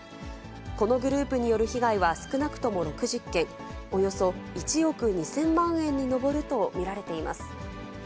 このグループによる被害は少なくとも６０件、およそ１億２０００万円に上ると見られています。